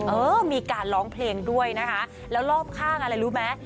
เออมีการร้องเพลงด้วยนะคะแล้วรอบข้างอะไรรู้ไหม